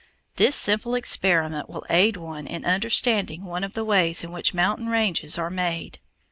This simple experiment will aid one in understanding one of the ways in which mountain ranges are made.